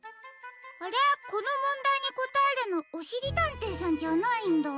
あれこのもんだいにこたえるのおしりたんていさんじゃないんだ。